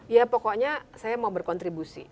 ya pokoknya saya mau berkontribusi